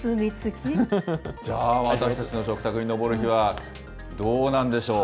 じゃあ、私たちの食卓に上るには、どうなんでしょう。